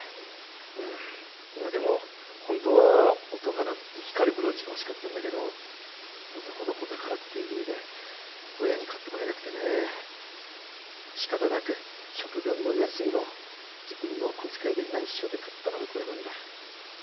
でも本当は音が鳴って光るブローチが欲しかったんだけど男の子だからっていう理由で親に買ってもらえなくてねしかたなく食玩の安いのを自分のお小遣いでないしょで買ったのがこれなんだ。